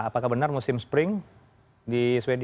apakah benar musim spring di sweden